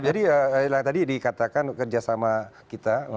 jadi tadi dikatakan kerjasama kita